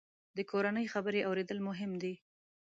د کورنۍ خبرې اورېدل مهم دي.